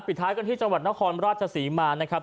ท้ายกันที่จังหวัดนครราชศรีมานะครับ